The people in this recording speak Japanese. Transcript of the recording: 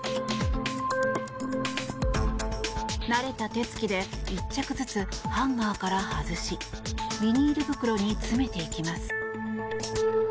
慣れた手付きで１着ずつハンガーから外しビニール袋に詰めていきます。